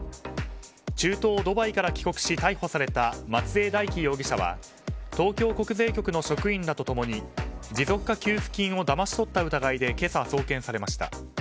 中東ドバイから帰国し逮捕された松江大樹容疑者は東京国税局の職員らと共に持続化給付金をだまし取った疑いで今朝、送検されました。